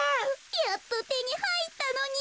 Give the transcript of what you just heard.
やっとてにはいったのに。